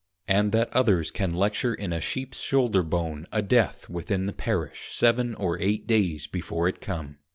And that others can lecture in a Sheeps shoulder bone a Death within the Parish seven or eight Days before it come.